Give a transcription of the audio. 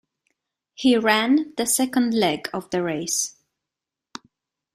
He ran the second leg of the race.